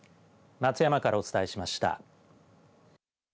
松山からお伝えしました。